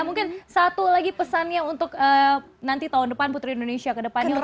mungkin satu lagi pesannya untuk nanti tahun depan putri indonesia ke depannya